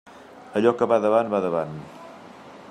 Allò que va davant, va davant.